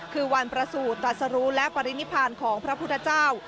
คือวันประสูจน์ตรัสรู้และปรินิพานของพระพุทธเจ้า